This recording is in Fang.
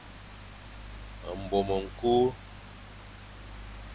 Mbom ñkul.